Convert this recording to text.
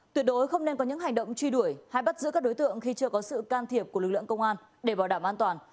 tuyệt đối không nên có những hành động truy đuổi hay bắt giữ các đối tượng khi chưa có sự can thiệp của lực lượng công an để bảo đảm an toàn